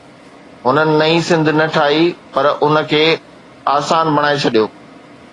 هنن نئين سنڌ نه ٺاهي، پر ان کي آسان بڻائي ڇڏيو.